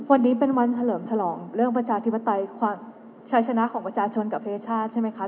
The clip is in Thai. วันนี้เป็นวันเฉลิมฉลองเรื่องประชาธิปไตยความชายชนะของประชาชนกับประเทศชาติใช่ไหมคะ